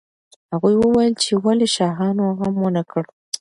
هغوی وویل چې ولې شاهانو غم ونه کړ.